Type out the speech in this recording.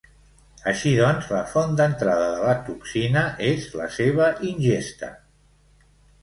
Així doncs la font d'entrada de la toxina és la seva ingesta.